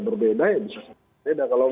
berbeda ya bisa beda kalau